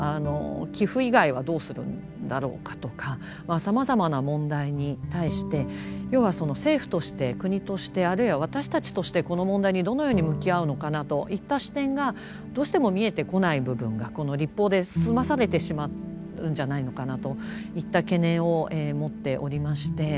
寄附以外はどうするんだろうかとかまあさまざまな問題に対して要はその政府として国としてあるいは私たちとしてこの問題にどのように向き合うのかなといった視点がどうしても見えてこない部分がこの立法で済まされてしまうんじゃないのかなといった懸念を持っておりまして。